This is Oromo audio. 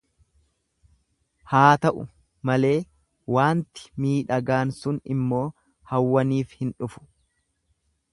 Haata'u malee waanti miidhagaan sun immoo hawwaniif hin dhufu.